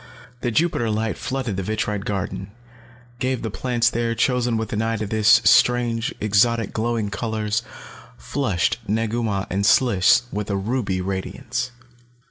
The Jupiter light flooded the vitrite garden, gave the plants there, chosen with an eye to this, strange, exotic, glowing colors, flushed Negu Mah and Sliss with a ruby radiance.